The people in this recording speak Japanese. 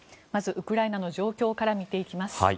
まずウクライナの状況から見ていきます。